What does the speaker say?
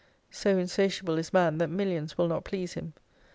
So insatiable is man tliat millions will not please him.